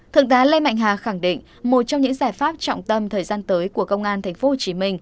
thượng tá lê mạnh hà khẳng định một trong những giải pháp trọng tâm thời gian tới của công an tp hcm